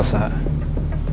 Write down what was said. lo bisa mencintai dia